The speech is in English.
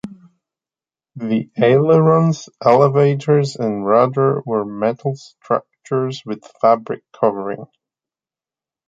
The ailerons, elevators and rudder were metal structures with fabric covering.